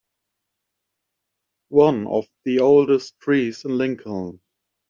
One of the oldest trees in Lincoln.